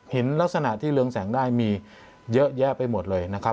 เห็นลักษณะที่เรืองแสงได้มีเยอะแยะไปหมดเลยนะครับ